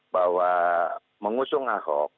bahwa mengusung ahok